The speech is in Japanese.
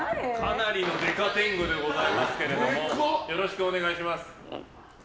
かなりのでか天狗でございますけどもよろしくお願いします。